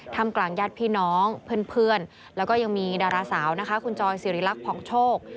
ทำกลางญาติพี่น้องเพื่อนแล้วก็ยังมีดาราสาวนะคะคุณจอยสิริรักษ์ผ่องโชค